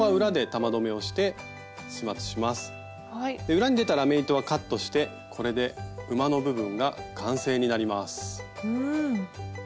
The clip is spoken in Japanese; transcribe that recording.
裏に出たラメ糸はカットしてこれで馬の部分が完成になります。